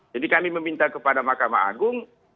jadi kami meminta kepada mahkamah agung